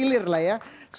semilir lah ya